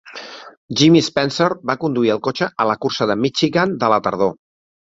Jimmy Spencer va conduir el cotxe a la cursa de Michigan de la tardor.